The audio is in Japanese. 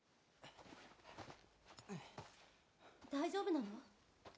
大丈夫なの？